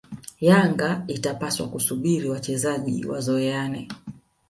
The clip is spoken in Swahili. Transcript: Yanga itapaswa kusubiri wachezaji wazoeane